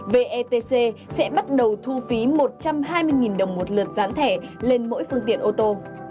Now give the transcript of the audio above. vetc sẽ bắt đầu thu phí một trăm hai mươi đồng một lượt gián thẻ lên mỗi phương tiện ô tô